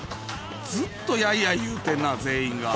ずっとやいやい言うてるな、全員が。